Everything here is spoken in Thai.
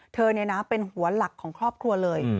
เธอเป็นหัวหลักของครอบครัวเลย